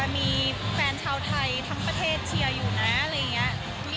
มีแฟนชาวไทยทั้งประเทศเชียร์อยู่นะอะไรอย่างนี้